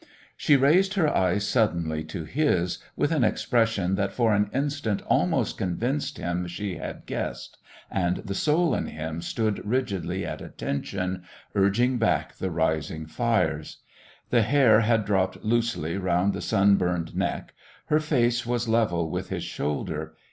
She raised her eyes suddenly to his, with an expression that for an instant almost convinced him she had guessed and the soul in him stood rigidly at attention, urging back the rising fires. The hair had dropped loosely round the sun burned neck. Her face was level with his shoulder.